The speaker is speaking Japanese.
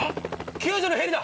救助のヘリだ！